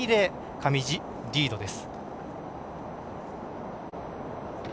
上地、リードです。